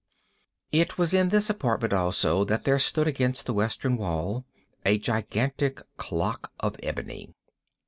It was in this apartment, also, that there stood against the western wall, a gigantic clock of ebony.